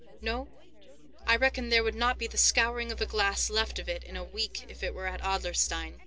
No? I reckon there would not be the scouring of a glass left of it in a week if it were at Adlerstein."